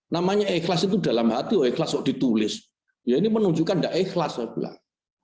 namanya ikhlas itu dalam hati oh ikhlas kok ditulis ya ini menunjukkan tidak ikhlas sebelah